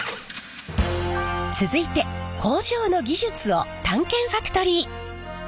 続いて工場の技術を探検ファクトリー！